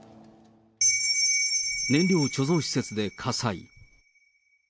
燃料貯蔵施設で火災。